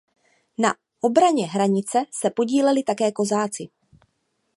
Na obraně hranice se podíleli také kozáci.